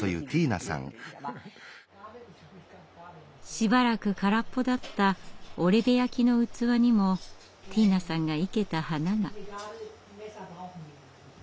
しばらく空っぽだった織部焼の器にもティーナさんが生けた花が。